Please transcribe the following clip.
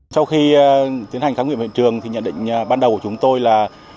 sau khi tiến hành khám nghiệm hiện trường thì nhận định ban đầu của chúng tôi là